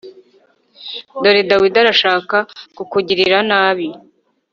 dore Dawidi arashaka kukugirira nabi